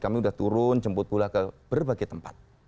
kami sudah turun jemput bola ke berbagai tempat